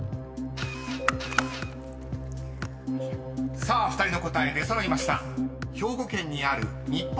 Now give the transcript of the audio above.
［さあ２人の答え出揃いました］